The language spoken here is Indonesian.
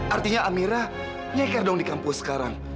artinya amirah nyeker dong di kampus sekarang